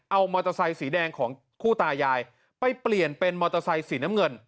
เอามอเตอร์ไซค์สีแดงของคู่ตายายไปเปลี่ยนเป็นมอเตอร์ไซค์สีน้ำเงิน